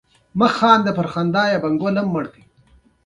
نوی اساسي قانون یې په زېږدیز کال د ترکمنستان مجلس لخوا تصویب شو.